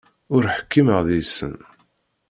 Ur ḥkimeɣ deg-sen.